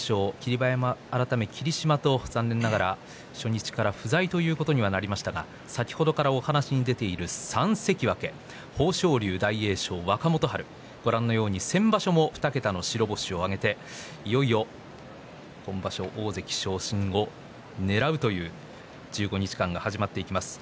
馬山改め霧島と残念ながら初日から不在ということになりましたが先ほどからお話に出ている３関脇豊昇龍、大栄翔、若元春は先場所も２桁の白星を挙げていよいよ今場所大関の昇進をねらうという１５日間が始まります。